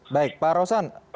baik pak rawsan